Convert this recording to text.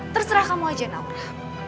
terserah kamu aja naura